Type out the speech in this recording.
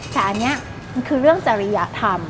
แต่อันนี้มันคือเรื่องจริยธรรม